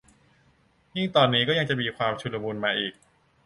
ยิ่งตอนนี้ยังจะมีความชุลมุนมาอีก